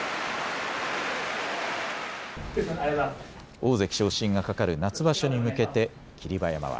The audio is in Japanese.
大関昇進がかかる夏場所に向けて霧馬山は。